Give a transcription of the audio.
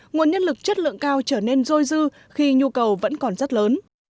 nguồn nhân lực chất lượng cao trở nên dôi dư khi nhu cầu vẫn còn rất lớn